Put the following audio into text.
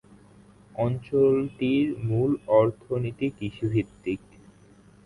অঞ্চলটির মূল অর্থনীতি কৃষিভিত্তিক।